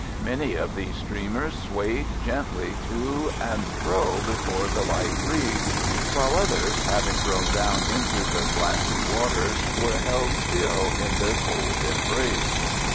Many of these streamers swayed gently to and fro before the light breeze, while others, having grown down into the glassy waters, were held still in their cool embrace.